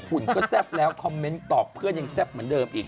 ุ่นก็แซ่บแล้วคอมเมนต์ตอบเพื่อนยังแซ่บเหมือนเดิมอีก